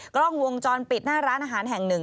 กล้องวงจรปิดหน้าร้านอาหารแห่งหนึ่ง